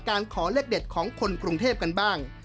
ขอเลขเด็ดของคนกรุงเทพกันบ้าง